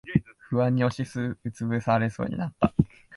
不安に押しつぶされそうになった。